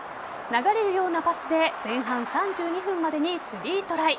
流れるようなパスで前半３２分までに３トライ。